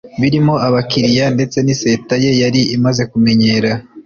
birimo abakiriya ndetse n’iseta ye yari imaze kumenyera